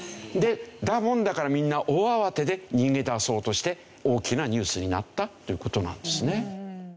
だもんだからみんな大慌てで逃げ出そうとして大きなニュースになったという事なんですね。